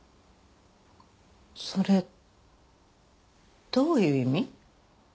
それどういう意味？